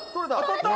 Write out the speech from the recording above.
取った！